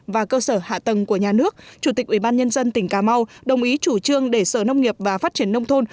và cơ sở hạ tầng của nhà nước chủ tịch ubnd tỉnh cà mau đồng ý chủ trương để sở nông nghiệp và phát triển nông thôn